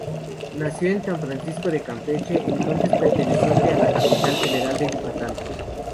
Nació en San Francisco de Campeche, entonces perteneciente a la capitanía general de Yucatán.